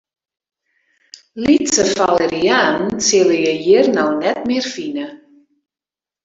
Lytse falerianen sille je hjir no net mear fine.